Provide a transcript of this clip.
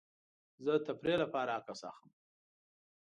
زه د تفریح لپاره عکس اخلم.